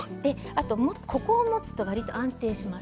ここを持つとわりと安定します。